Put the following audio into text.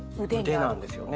腕なんですよね。